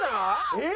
えっ？